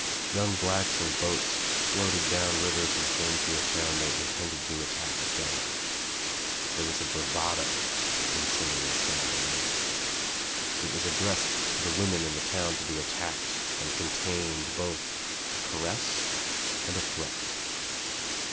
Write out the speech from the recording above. Young blacks in boats floated down rivers and came to a town they intended to attack at dawn. There was bravado in singing the song then. It was addressed to the women in the town to be attacked and contained both a caress and a threat.